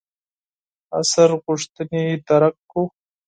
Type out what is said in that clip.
عصر غوښتنې درک کړو.